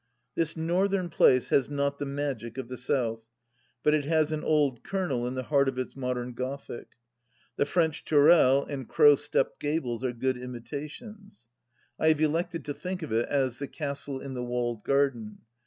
... This Northern place has not the magic of the South, but it has an old kernel in the heart of its modern Gothic. The French tourelles and crow stepped gables are good imita tions. I have elected to think of it as the " castle in the walled garden ";—